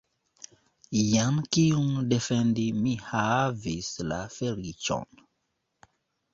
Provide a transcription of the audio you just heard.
Jen kiun defendi mi havis la feliĉon!